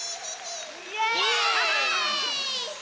イエーイ！